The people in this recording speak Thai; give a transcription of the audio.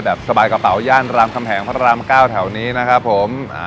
สบายกระเป๋าย่านรามคำแหงพระราม๙แถวนี้นะครับผม